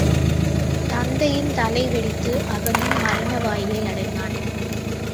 தந்தையின் தலை வெடித்து அவனும் மரண வாயிலை அடைந்தான்.